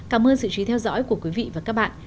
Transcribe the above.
cảm ơn sự trí theo dõi của quý vị và các bạn